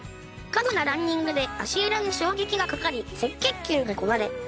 過度なランニングで足裏に衝撃がかかり赤血球が壊れ